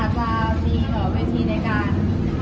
อาจจะมีวิธีในการ